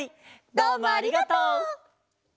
どうもありがとう。